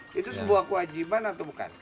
itu sebuah kewajiban atau bukan